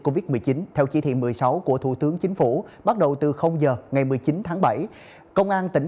covid một mươi chín theo chỉ thị một mươi sáu của thủ tướng chính phủ bắt đầu từ giờ ngày một mươi chín tháng bảy công an tỉnh